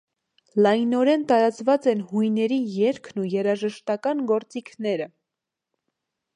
Լայնորեն տարածված են հույների երգերն ու երաժշտական գործիքները։